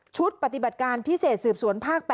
ปฏิบัติการพิเศษสืบสวนภาค๘